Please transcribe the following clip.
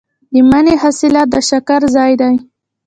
د مني حاصلات د شکر ځای دی.